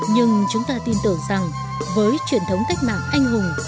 nhưng chúng ta tin tưởng rằng với truyền thống cách mạng anh hùng